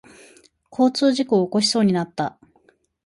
交通事故を起こしそうになった。